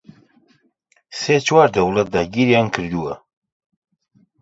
سێ چوار دەوڵەت داگیریان کردووە